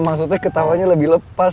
maksudnya ketawanya lebih lepas